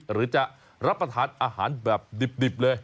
หรือจะรับประทานอาหารแบบดิบเลย